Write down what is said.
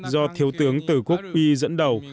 do thiếu tướng tử quốc y dẫn đầu